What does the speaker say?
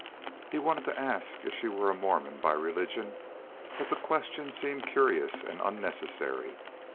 He wanted to ask if she were a Mormon by religion, but the question seemed curious and unnecessary.